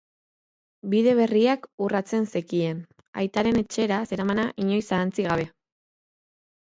Bide berriak urratzen zekien, aitaren etxera zeramana inoiz ahantzi gabe.